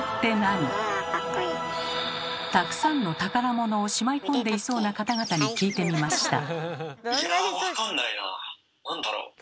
たくさんの宝物をしまい込んでいそうな方々に聞いてみました。